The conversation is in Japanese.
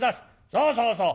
そうそうそう。